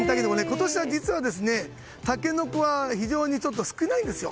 今年はタケノコは非常に少ないんですよ。